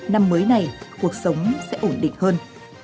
năm mới này cuộc sống sẽ ổn định hơn